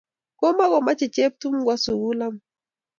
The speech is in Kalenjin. Komakomoche Cheptum kwo sukul amut